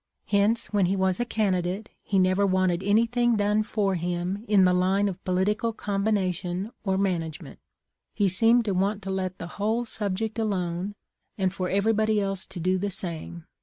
Hence, when he was a candidate, he never wanted anything done for him in the line of political combination or man agement. He seemed to want to let the whole subject alone, and for everybody else to do the same.